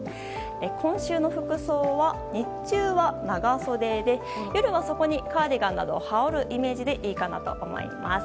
今週の服装は、日中は長袖で夜はそこにカーディガンなどを羽織るイメージでいいかなと思います。